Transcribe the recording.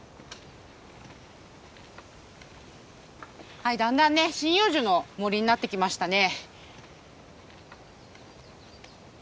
はいだんだんね針葉樹の森になってきましたね。